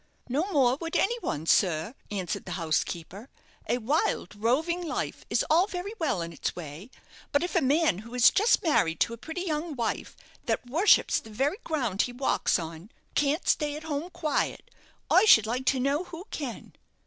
"No more would any one, sir," answered the housekeeper. "A wild, roving life is all very well in its way, but if a man who is just married to a pretty young wife, that worships the very ground he walks on, can't stay at home quiet, I should like to know who can?"